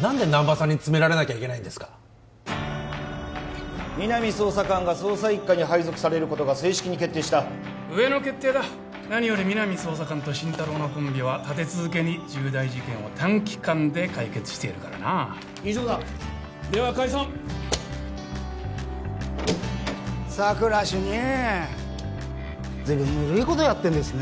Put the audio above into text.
何で難波さんに詰められなきゃいけないんですか皆実捜査官が捜査一課に配属されることが正式に決定した上の決定だ何より皆実捜査官と心太朗のコンビは立て続けに重大事件を短期間で解決しているからな以上だでは解散佐久良主任随分ぬるいことやってんですね